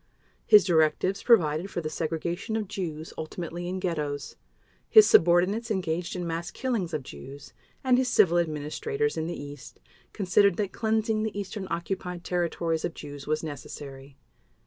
His directives provided for the segregation of Jews, ultimately in ghettos. His subordinates engaged in mass killings of Jews, and his civil administrators in the East considered that cleansing the Eastern Occupied Territories of Jews was necessary.